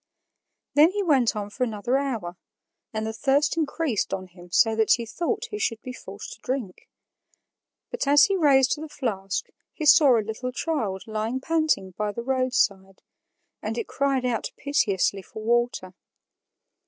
Then he went on for another hour, and the thirst increased on him so that he thought he should be forced to drink. But as he raised the flask he saw a little child lying panting by the roadside, and it cried out piteously for water.